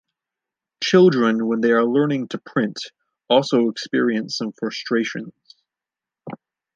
Children, when they are learning to print, also experience some frustrations.